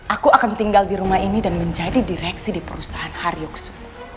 aku akan tinggal di rumah ini dan menjadi direksi di perusahaan haryoksu